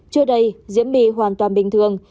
trưa đây diễm my hoàn toàn bình thường